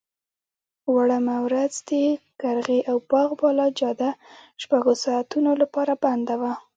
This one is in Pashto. وړمه ورځ د قرغې او باغ بالا جاده شپږو ساعتونو لپاره بنده وه.